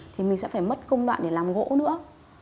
thì mình sẽ phải mất công đoạn để làm gỗ nữa